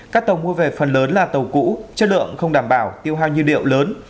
các tàu mua về phần lớn là tàu cũ chất lượng không đảm bảo tiêu hào nhiêu điệu lớn